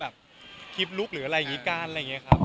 แบบคลิปลุกหรืออะไรอย่างนี้กันอะไรอย่างนี้ครับ